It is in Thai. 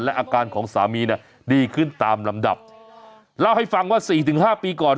อาการของสามีเนี่ยดีขึ้นตามลำดับเล่าให้ฟังว่าสี่ถึงห้าปีก่อน